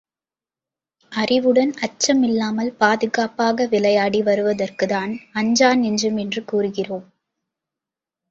அறிவுடன் அச்சமில்லாமல், பாதுகாப்பாக விளையாடி வருவதற்குத்தான் அஞ்சா நெஞ்சம் என்று கூறுகிறோம்.